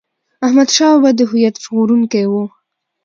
احمد شاه بابا د هویت ژغورونکی و.